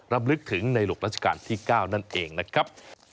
รำลึกถึงในหลวงราชการที่๙นั่นเองนะครับ